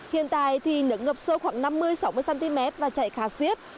hiện tại thì nước ngập sâu khoảng năm mươi sáu mươi cm và chảy khá xiết